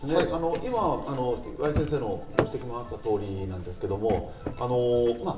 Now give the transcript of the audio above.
岩井先生のご指摘もあった通りなんですけど。